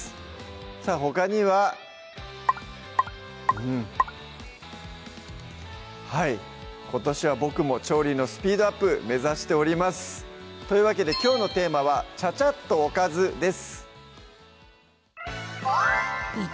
さぁほかにはうんはい今年は僕も調理のスピードアップ目指しておりますというわけできょうのテーマは「ちゃちゃっとおかず」です